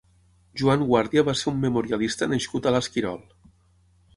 Joan Guàrdia va ser un memorialista nascut a l'Esquirol.